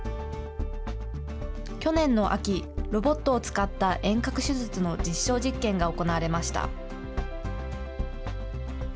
去年の秋、ロボットを使った遠隔手術の実証実験が行われました。